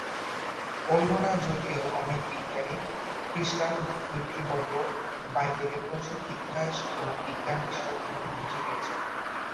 অন্যরা যদিও অনেক জ্ঞানী খ্রিস্টান ব্যক্তিবর্গ বাইবেলে প্রচুর ইতিহাস ও বিজ্ঞান বিষয়ক ভুল খুঁজে পেয়েছেন।